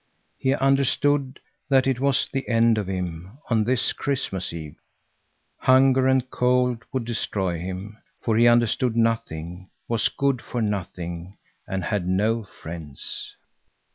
He understood that it was the end of him, on this Christmas Eve. Hunger and cold would destroy him, for he understood nothing, was good for nothing and had no friends.